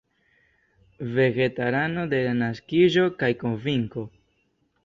Vegetarano de la naskiĝo kaj konvinko.